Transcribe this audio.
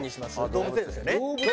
動物園ですよね？